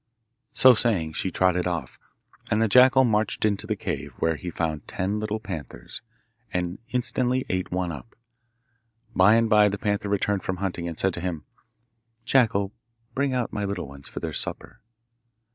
So saying she trotted off, and the jackal marched into the cave, where he found ten little panthers, and instantly ate one up. By and bye the panther returned from hunting, and said to him, 'Jackal, bring out my little ones for their supper.